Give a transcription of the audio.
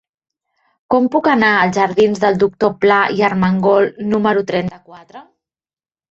Com puc anar als jardins del Doctor Pla i Armengol número trenta-quatre?